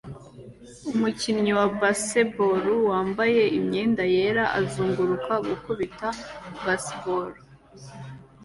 Umukinnyi wa baseball wambaye imyenda yera azunguruka gukubita baseball